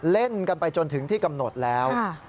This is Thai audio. เล่นกันไปจนถึงที่กำหนดแล้ว